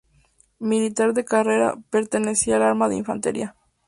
Militar de carrera, pertenecía al arma de infantería.